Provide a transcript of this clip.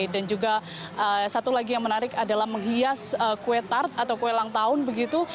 dan juga satu lagi yang menarik adalah menghias kue tart atau kue lang tahun begitu